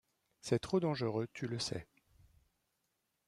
C’est trop dangereux, tu le sais.